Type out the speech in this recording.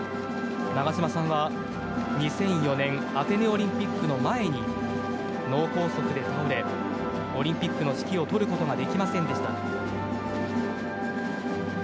長嶋さんは２００４年アテネオリンピックの前に脳梗塞で倒れオリンピックの指揮を執ることができませんでした。